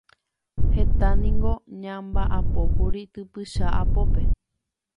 Heta niko ñambaʼapókuri typycha apópe.